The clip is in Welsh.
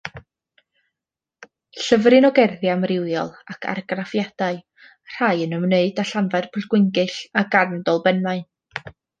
Llyfryn o gerddi amrywiol ac argraffiadau, rhai yn ymwneud â Llanfairpwllgwyngyll a Garndolbenmaen.